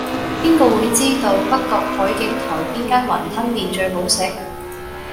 邊個會知道北角海景台邊間雲吞麵最好食